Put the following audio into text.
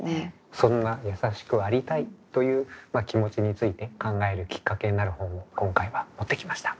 そんなやさしくありたいという気持ちについて考えるきっかけになる本を今回は持ってきました。